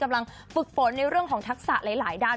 กำลังฝึกฝนในเรื่องของทักษะหลายด้าน